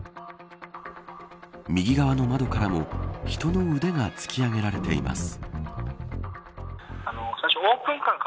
右側の窓からも人の腕が突き上げられています。